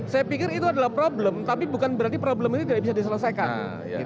saya pikir itu adalah problem tapi bukan berarti problem itu tidak bisa diselesaikan